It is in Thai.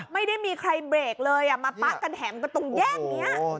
ไม่ได้มีใครเบรกเลยมาปะกันแถมกันตรงแยกนี้